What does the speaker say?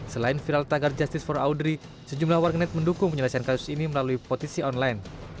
selain viral tagar justice for audrey sejumlah warganet mendukung penyelesaian kasus ini melalui petisi online